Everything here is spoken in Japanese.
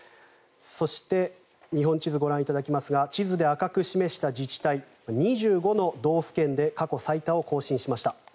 そして日本地図をご覧いただきますが地図で赤く示した自治体２５の道府県で過去最多を更新しました。